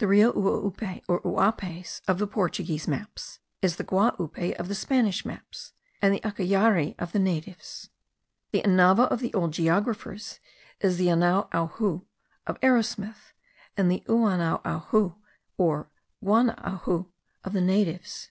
The Rio Uaupe, or Uapes of the Portuguese maps, is the Guapue of the Spanish maps, and the Ucayari of the natives. The Anava of the old geographers is the Anauahu of Arrowsmith, and the Uanauhau or Guanauhu of the Indians.